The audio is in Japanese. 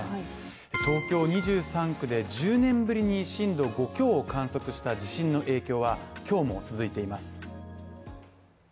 東京２３区で１０年ぶりに震度５強を観測した地震の影響は今日も続いています。